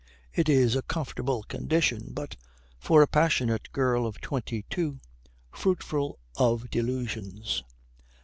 It is a comfortable condition, but, for a passionate girl of twenty two, fruitful of delusions.